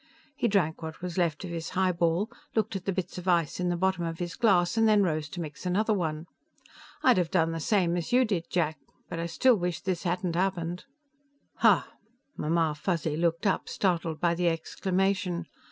He drank what was left of his highball, looked at the bits of ice in the bottom of his glass and then rose to mix another one. "I'd have done the same as you did, Jack, but I still wish this hadn't happened." "Huh!" Mamma Fuzzy looked up, startled by the exclamation.